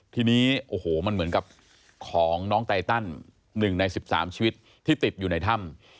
ทีนี้โอ้โหมันเหมือนกับของน้องไตตัน๑ใน๑๓ชีวิตที่ติดอยู่ในถ้ำ